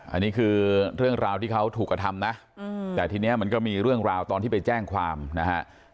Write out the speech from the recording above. อันนี้คือเรื่องราวที่เขาถูกกระทำนะแต่ทีนี้มันก็มีเรื่องราวตอนที่ไปแจ้งความนะฮะ